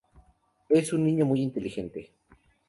Es un niño muy inteligente.